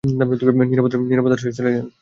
নিরাপদ আশ্রয়ে চলে যান!